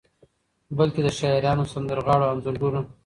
بلکې د شاعرانو، سندرغاړو، انځورګرو